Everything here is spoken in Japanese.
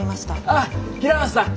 あっ平松さん。